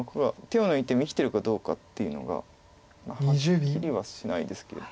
手を抜いても生きてるかどうかっていうのがまあはっきりはしないですけど。